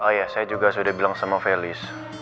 oh iya saya juga sudah bilang sama felis